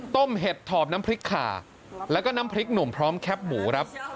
เห็ดถอบน้ำพริกขาแล้วก็น้ำพริกหนุ่มพร้อมแคปหมูครับ